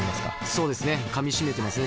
そうですねかみしめてますね。